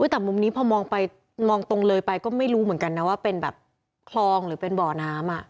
แต่มุมนี้พอมองไปมองตรงเลยไปก็ไม่รู้เหมือนกันนะว่าเป็นแบบคลองหรือเป็นบ่อน้ำ